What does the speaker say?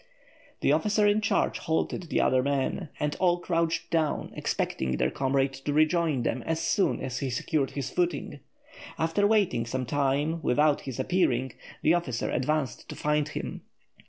The officer in charge halted the other men, and all crouched down, expecting their comrade to rejoin them as soon as he secured his footing. After waiting some time without his appearing, the officer advanced to find him.